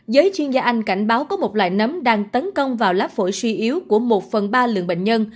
giới chuyên gia anh cảnh báo có một loại nấm đang tấn công vào lá phổi suy yếu của một phần ba lượng bệnh nhân